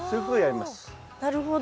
なるほど。